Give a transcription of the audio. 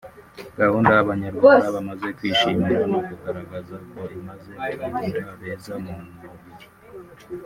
gahunda abanyarwanda bamaze kwishimira no kugaragaza ko imaze kubagira beza mu mubiri